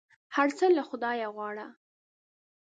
هر څه له خدایه غواړه !